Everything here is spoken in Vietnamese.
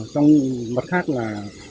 trong mặt khác là